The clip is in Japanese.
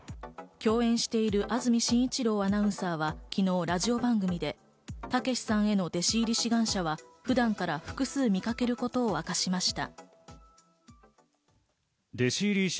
共演している安住紳一郎アナウンサーは昨日、ラジオ番組でたけしさんへの弟子入り志願者は普段から複数見かけることを明かしました。